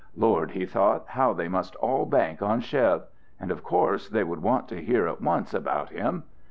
Lord, he thought, how they must all bank on Chev! And of course they would want to hear at once about him.